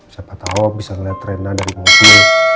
siapa tahu bisa ngeliat rena dari mobil